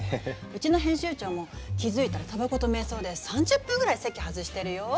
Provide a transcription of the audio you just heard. うちの編集長も気付いたらたばこと瞑想で３０分くらい席外してるよ。